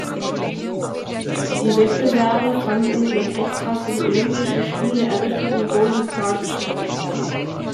Die Wettbewerbe fanden im extra für die Olympischen Spiele errichteten Golden Park statt.